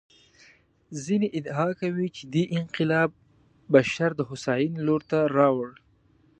ځینې ادعا کوي چې دې انقلاب بشر د هوساینې لور ته راوړ.